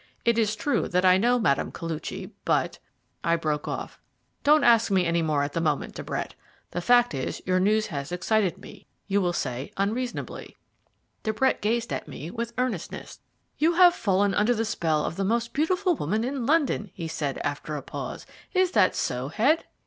"It is true that I know Madame Koluchy, but " I broke off. "Don't ask me any more at the moment, De Brett. The fact is, your news has excited me, you will say unreasonably." De Brett gazed at me with earnestness. "You have fallen under the spell of the most beautiful woman in London," he said, after a pause; "is that so, Head?"